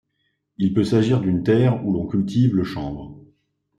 Il peut s'agir d'une terre où l'on cultive le chanvre.